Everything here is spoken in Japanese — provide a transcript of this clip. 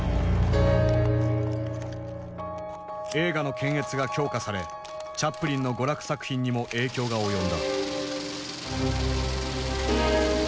映画の検閲が強化されチャップリンの娯楽作品にも影響が及んだ。